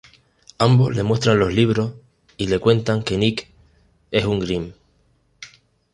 Ambos le muestran los libros y le cuentan que Nick es un "grimm".